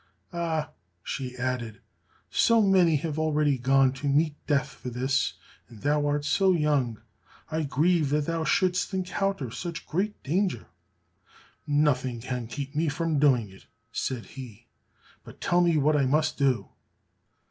Ah," she added, "so many have already gone to meet death for this, and thou art so young; I grieve that thou shouldst encounter such great danger." "Nothing can keep me from doing it," said he, "but tell me what I must do."